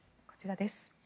こちらです。